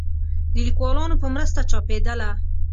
د ليکوالانو په مرسته چاپېدله